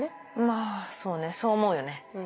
まぁそうねそう思うよね。